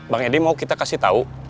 bang edi mau kita kasih tahu